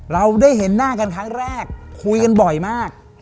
เราได้เห็นหน้ากันครั้งแรกคุยกันบ่อยมาก